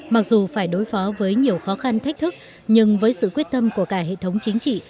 mặc dù phải đối phó với nhiều khó khăn thách thức nhưng với sự quyết tâm của cả hệ thống chính trị